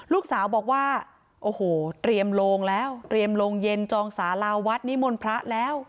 ลูกสาวบอกว่าโอ้โหเตรียมโลงแล้วเตรียมโรงเย็นจองสาราวัดนิมนต์พระแล้ว